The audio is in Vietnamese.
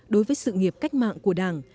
đối với sự nghiệp cách mạng của đảng